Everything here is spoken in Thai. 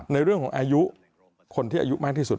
ในเรื่องของอายุคนที่อายุมากที่สุด